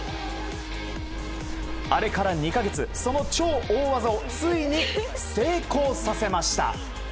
あれから２か月、その超大技をついに成功させました。